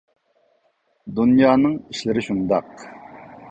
دۇنيانىڭ ئىشلىرى شۇنداق.